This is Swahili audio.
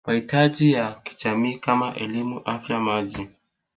mahitaji ya kijamii kama elimu Afya Maji